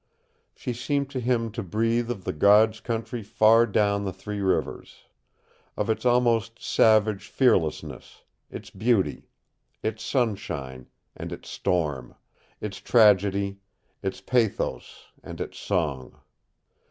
She seemed to him to breathe of the God's country far down the Three Rivers; of its almost savage fearlessness; its beauty, its sunshine, and its storm; its tragedy, its pathos, and its song.